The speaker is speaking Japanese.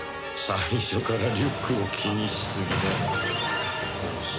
最初からリュックを気にしすぎだ小僧。